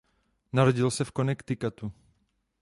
Narodil se v Connecticutu.